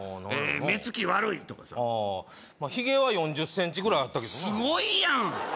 目つき悪いとかさヒゲは４０センチぐらいあったけどなすごいやん